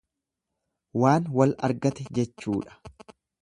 Waan wal argate jechuudha.